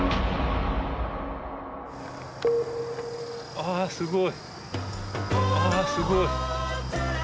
ああすごい。